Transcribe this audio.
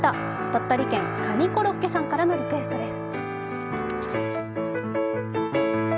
鳥取県、カニコロッケさんからのリクエストです。